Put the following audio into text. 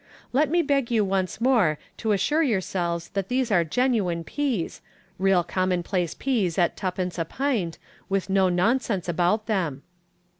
Let me beg you once more to assure yourselves that these are genuine peas, real common place peas at twopence a pint, with no nonsense about them."